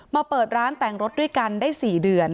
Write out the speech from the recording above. เปิดร้านแต่งรถด้วยกันได้๔เดือน